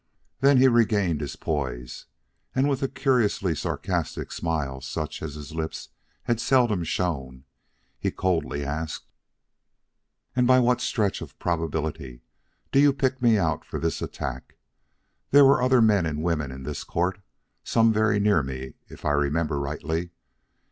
Then he regained his poise, and with a curiously sarcastic smile such as his lips had seldom shown, he coldly asked: "And by what stretch of probability do you pick me out for this attack? There were other men and women in this court, some very near me if I remember rightly.